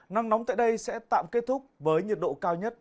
nắng nóng tại đây sẽ tạm kết thúc với nhiệt độ cao nhất